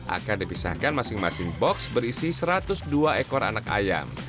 akan dipisahkan masing masing box berisi satu ratus dua ekor anak ayam